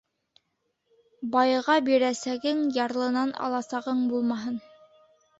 Байға бирәсәгең, ярлынан аласағың булмаһын.